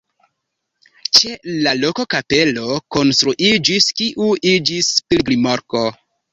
Ĉe la loko kapelo konstruiĝis, kiu iĝis pilgrimloko.